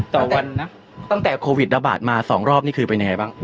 ตั้งแต่โควิดระบาดมา๒รอบนี่คือเป็นไงบ้าง